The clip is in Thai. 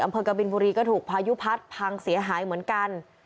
กบินบุรีก็ถูกพายุพัดพังเสียหายเหมือนกัน